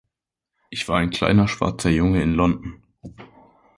Ich war ein kleiner schwarzer Junge in London.